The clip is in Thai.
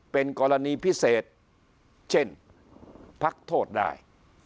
เป็นกรณีพิเศษเช่นพักโทษได้